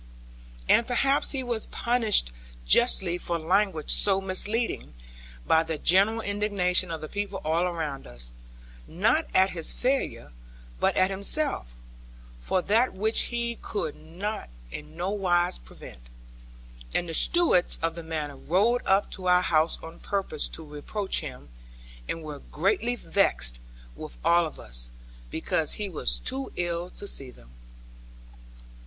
And perhaps he was punished justly for language so misleading, by the general indignation of the people all around us, not at his failure, but at himself, for that which he could in no wise prevent. And the stewards of the manors rode up to our house on purpose to reproach him, and were greatly vexed with all of us, because he was too ill to see them.